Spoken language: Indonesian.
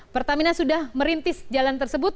pertamina sudah merintis jalan tersebut